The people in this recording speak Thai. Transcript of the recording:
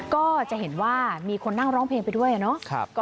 ก็จะเห็นว่ามีคนนั่งร้องเพลงไปด้วยเนาะ